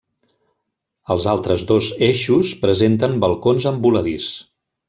Els altres dos eixos presenten balcons en voladís.